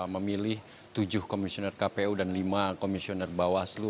memilih tujuh komisioner kpu dan lima komisioner bawaslu